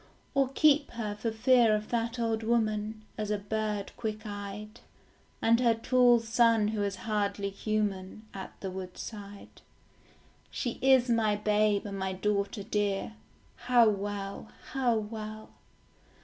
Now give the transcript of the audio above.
Or keep her for fear of that old woman, As a bird quick eyed, And her tall son who is hardly human, At the woodside? She is my babe and my daughter dear, How well, how well.